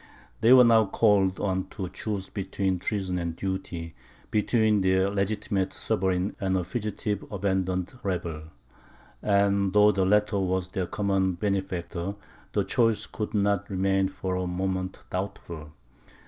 They were now called on to choose between treason and duty, between their legitimate sovereign and a fugitive abandoned rebel; and though the latter was their common benefactor, the choice could not remain for a moment doubtful.